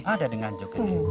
ada di nganjuk ini